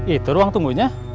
itu ruang tunggunya